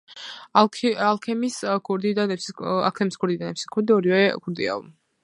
აქლემის ქურდი და ნემსის ქურდი ორივე ქურდიაო.,